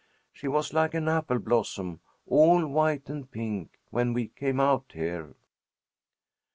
She was like an apple blossom, all white and pink, when we came out here."